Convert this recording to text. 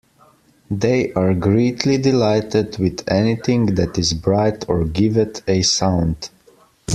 They are greatly delighted with anything that is bright or giveth a sound.